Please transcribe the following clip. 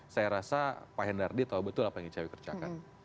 saya rasa pak hendardi tahu betul apa yang icw kerjakan